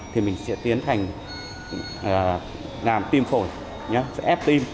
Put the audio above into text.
thì mình sẽ tiến thành làm tim khổi sẽ ép tim